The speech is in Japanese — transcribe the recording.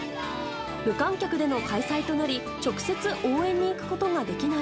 無観客での開催となり直接応援に行くことができない